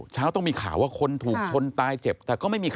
ใช่คนตายบ่อย